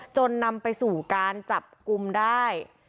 จนนำไปสู่การจับกลุ่มได้